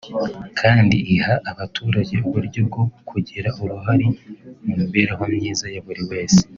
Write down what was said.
kandi iha abaturage uburyo bwo kugira uruhare mu mibereho myiza ya buri wese